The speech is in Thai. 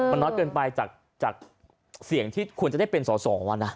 มันน้อยเกินไปจากเสียงที่ควรจะได้เป็นสอสอนะ